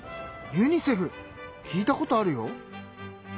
ユニセフ聞いたことあるよ！